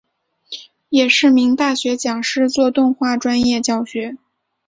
也是名大学讲师做动画专业教学。